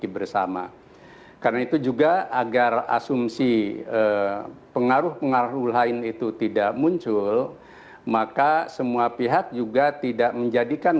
bersama bapak bapak sekalian